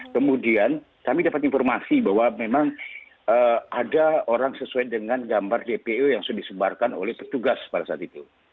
kemudian kami dapat informasi bahwa memang ada orang sesuai dengan gambar cpo yang sudah disebarkan oleh petugas pada saat itu